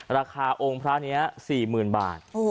ราคาองค์พระนี้๔๐๐๐บาท